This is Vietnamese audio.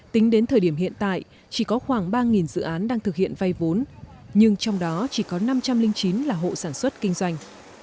tính đến thời điểm hiện tại chỉ có khoảng ba dự án đang thực hiện vay vốn nhưng trong đó chỉ có năm trăm linh chín là hộ sản xuất kinh doanh